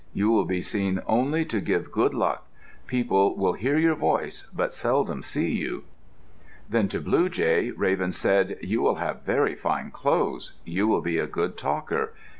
You will be seen only to give good luck. People will hear your voice, but seldom see you." Then to Blue jay Raven said, "You will have very fine clothes. You will be a good talker.